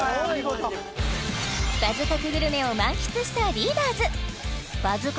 “バズ確”グルメを満喫したリーダーズ“バズ確”